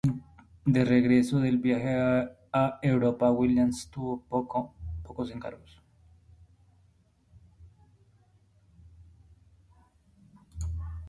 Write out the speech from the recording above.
De regreso del viaje a Europa, Williams tuvo pocos encargos.